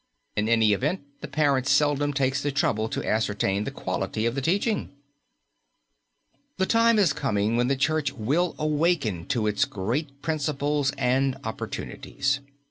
In any event the parent seldom takes the trouble to ascertain the quality of the teaching. The time is coming when the Church will awake to its great principles and opportunities.